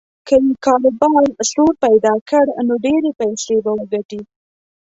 که یې کاروبار سور پیدا کړ نو ډېرې پیسې به وګټي.